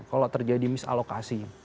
kalau terjadi misalokasi